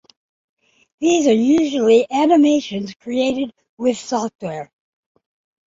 These are usually animations created with software.